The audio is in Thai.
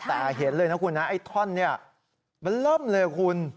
แต่เห็นเลยนะคุณนะไอ้ท่อนเนี่ยมันเริ่มเลยคุณ